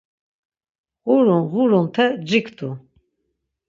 Ğurun ğurunte ciktu.